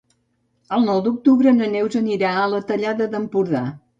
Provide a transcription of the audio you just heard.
El nou d'octubre na Neus anirà a la Tallada d'Empordà.